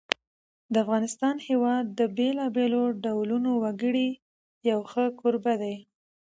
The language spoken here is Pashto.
د افغانستان هېواد د بېلابېلو ډولو وګړو یو ښه کوربه دی.